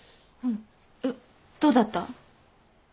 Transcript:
んっどうだった？